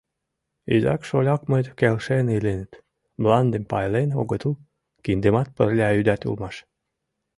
Изак-шолякмыт келшен иленыт, мландым пайлен огытыл, киндымат пырля ӱдат улмаш.